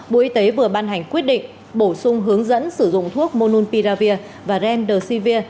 bộ y tế vừa ban hành quyết định bổ sung hướng dẫn sử dụng thuốc monopiravir và remdesivir